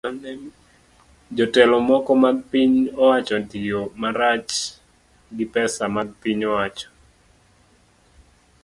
Jotelo moko mag piny owacho tiyo marach gi pesa mag piny owacho